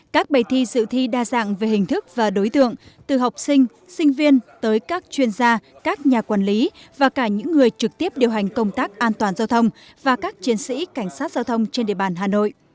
các bài thi dự thi đa dạng về hình thức và đối tượng từ học sinh sinh viên tới các chuyên gia các nhà quản lý và cả những người trực tiếp điều hành công tác an toàn giao thông và các chiến sĩ cảnh sát giao thông trên địa bàn hà nội